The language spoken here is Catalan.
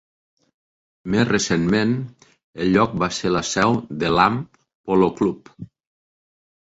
Més recentment, el lloc va ser la seu de l'Ham Polo Club.